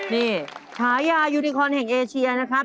นี่ฉายายูนิคอนแห่งเอเชียนะครับ